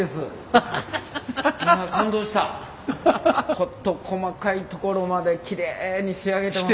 事細かいところまできれいに仕上げてます